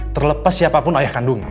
terlepas siapapun ayah kandung